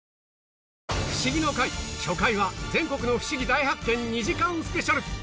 『フシギの会』初回は全国のフシギ大発見２時間スペシャル